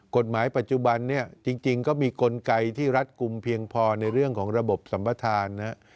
กฎหมายปัจจุบันเนี่ยจริงก็มีกลไกที่รัฐกลุ่มเพียงพอในเรื่องของระบบสัมปทานนะครับ